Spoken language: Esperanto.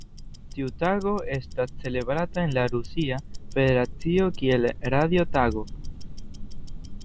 Tiu tago estas celebrata en la Rusia Federacio kiel Radio Tago.